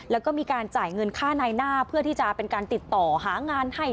แล้วก็มีการจ่ายเงินค่าในหน้าเพื่อที่จะเป็นการติดต่อหางานให้